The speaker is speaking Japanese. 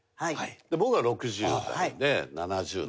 僕が６０代で７０代。